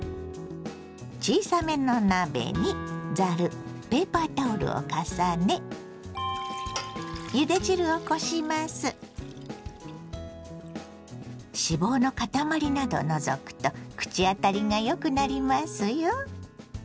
小さめの鍋にざるペーパータオルを重ね脂肪の塊などを除くと口当たりがよくなりますよ。